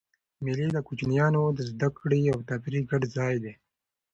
مېلې د کوچنيانو د زدهکړي او تفریح ګډ ځای دئ.